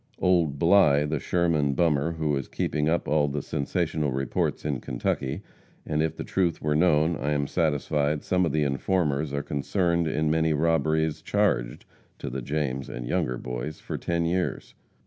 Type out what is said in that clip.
Old Bly, the Sherman bummer, who is keeping up all the sensational reports in Kentucky, and if the truth was known, I am satisfied some of the informers are concerned in many robberies charged to the James and Younger Boys for ten years.